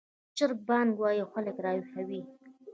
چرګ بانګ وايي او خلک راویښوي